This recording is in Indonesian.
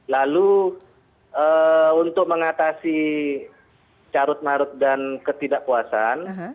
lalu untuk mengatasi carut marut dan ketidakpuasan